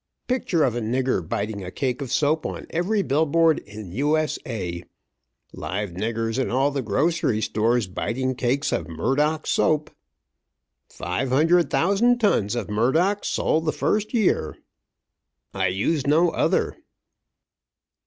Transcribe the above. Picture of a nigger biting a cake of soap on every billboard in U. S. A. Live niggers in all the grocery windows biting cakes of Murdock's Soap. Result? Five hundred thousand tons of Murdock's sold the first year. I use no other."